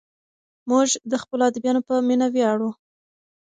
موږ د خپلو ادیبانو په مینه ویاړو.